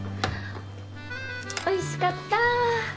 おいしかった！